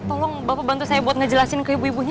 tolong bapak bantu saya buat ngejelasin ke ibu ibunya